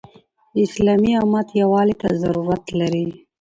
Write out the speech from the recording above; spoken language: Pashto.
اسلامي امت يووالي ته ضرورت لري.